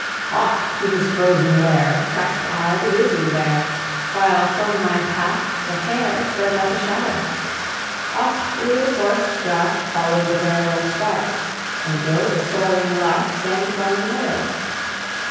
"Oft to his frozen lair Tracked I the grizzly bear, While from my path the hare Fled like a shadow; Oft through the forest dark Followed the were wolf's bark, Until the soaring lark Sang from the meadow.